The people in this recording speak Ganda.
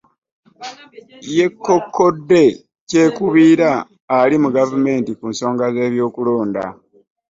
Yeekokkodde kyekubiira ali mu gavumenti ku nsonga z'ebyokulonda.